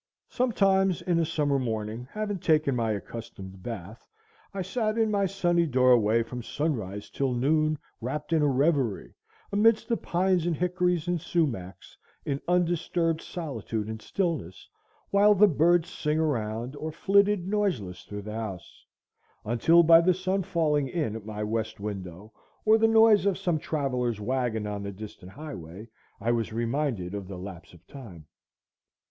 Sometimes, in a summer morning, having taken my accustomed bath, I sat in my sunny doorway from sunrise till noon, rapt in a revery, amidst the pines and hickories and sumachs, in undisturbed solitude and stillness, while the birds sing around or flitted noiseless through the house, until by the sun falling in at my west window, or the noise of some traveller's wagon on the distant highway, I was reminded of the lapse of time.